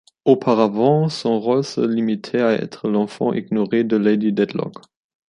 Auparavant, son rôle se limitait à être l'enfant ignorée de Lady Dedlock.